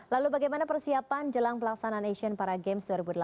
lalu bagaimana persiapan jelang pelaksanaan asian para games dua ribu delapan belas